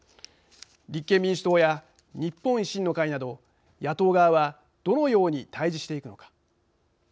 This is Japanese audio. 立憲民主党や日本維新の会など野党側はどのように対じしていくのか。